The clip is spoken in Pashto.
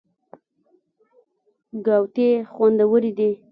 ګاوتې خوندورې دي.